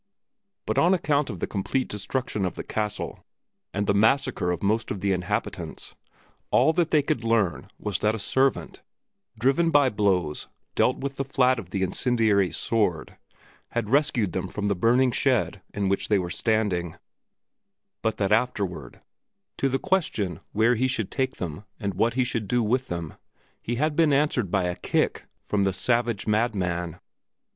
But on account of the complete destruction of the castle and the massacre of most of the inhabitants, all that they could learn was that a servant, driven by blows dealt with the flat of the incendiary's sword, had rescued them from the burning shed in which they were standing, but that afterward, to the question where he should take them and what he should do with them, he had been answered by a kick from the savage madman.